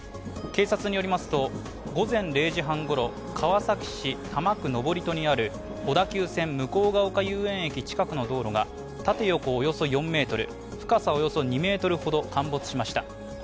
警察によりますと、午前０時半ごろ川崎市多摩区登戸にある小田急線向ヶ丘遊園駅近くの道路が縦横およそ４ｍ深さおよそ２ｍほど陥没しました。